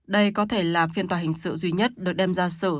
đây có thể là phiên tòa hình sự duy nhất được đem ra xử